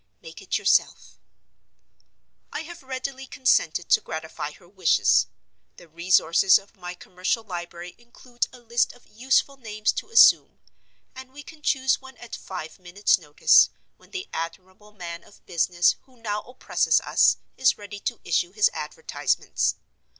Make it yourself." I have readily consented to gratify her wishes. The resources of my commercial library include a list of useful names to assume; and we can choose one at five minutes' notice, when the admirable man of business who now oppresses us is ready to issue his advertisements.